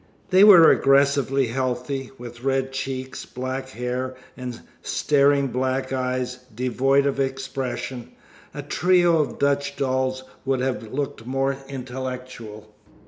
They were aggressively healthy, with red cheeks, black hair, and staring black eyes devoid of expression; a trio of Dutch dolls would have looked more intellectual.